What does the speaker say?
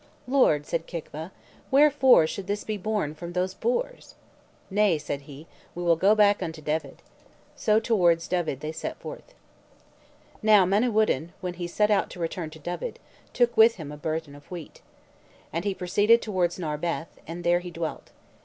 "Lord," said Kicva, "wherefore should this be borne from these boors?" "Nay," said he, "we will go back unto Dyved." So towards Dyved they set forth. Now Manawyddan, when he set out to return to Dyved, took with him a burden of wheat. And he proceeded towards Narberth, and there he dwelt.